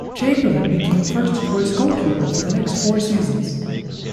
Chamberlain became first choice goalkeeper for the next four seasons.